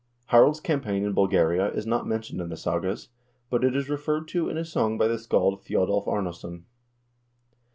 2 Harald's campaign in Bulgaria is not mentioned in the sagas, but it is referred to in a song by the scald Thjodolv Arnorsson.